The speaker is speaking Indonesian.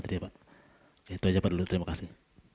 tadi pak itu saja pak dulu terima kasih